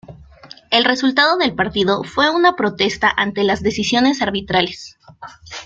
El resultado del partido fue una protesta ante las decisiones arbitrales.